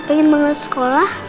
pengen banget sekolah